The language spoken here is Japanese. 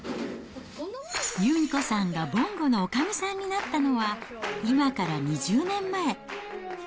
由美子さんがぼんごのおかみさんになったのは、今から２０年前。